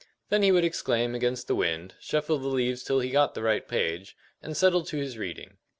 Then he would exclaim against the wind, shuffle the leaves till he got the right page, and settle to his reading.